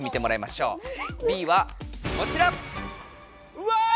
うわ！